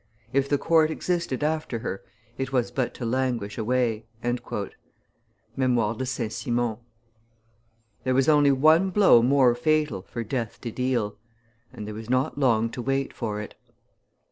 If the court existed after her it was but to languish away." [Memoires de St. Simon, xi.] There was only one blow more fatal for death to deal; and there was not long to wait for it.